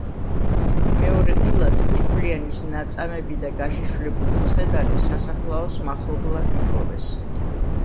მეორე დილას გირგვლიანის „ნაწამები და გაშიშვლებული ცხედარი“ სასაფლაოს მახლობლად იპოვეს.